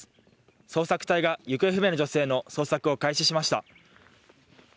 捜索隊が行方不明の女性の捜索を開始しました。